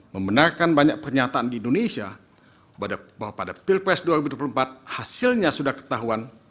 membenarkan banyak pernyataan di indonesia bahwa pada pilpres dua ribu dua puluh empat hasilnya sudah ketahuan